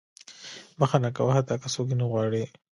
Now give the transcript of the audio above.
• بښنه کوه، حتی که څوک یې نه غواړي.